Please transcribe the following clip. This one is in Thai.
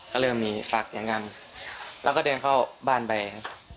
ก็เริ่มมีปรักษ์อย่างกันแล้วก็เดินเข้าบ้านไปครับ